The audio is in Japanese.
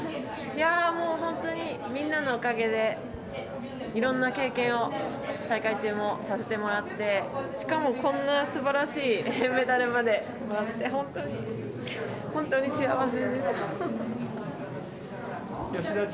いやもう、本当にみんなのおかげで、いろんな経験を大会中もさせてもらって、しかもこんなすばらしいメダルまでもらって、本当に、本当に幸せです。